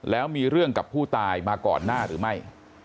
แล้วมีเรื่องกับผู้ตายมาก่อนหน้าหรือไม่